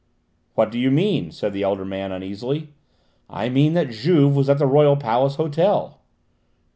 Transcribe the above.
"What do you mean?" said the elder man uneasily. "I mean that Juve was at the Royal Palace Hotel."